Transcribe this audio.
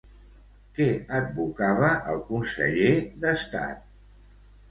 Què advocava el conseller d'Estat?